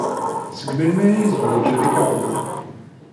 Seg melmi ay yezwej Ricardo?